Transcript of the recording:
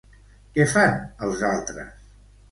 Què fan els altres?